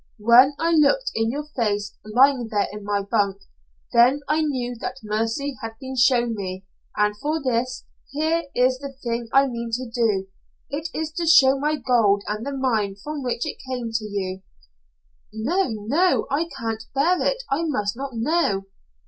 "When I looked in your face, lying there in my bunk, then I knew that mercy had been shown me, and for this, here is the thing I mean to do. It is to show my gold and the mine from which it came to you " "No, no! I can't bear it. I must not know."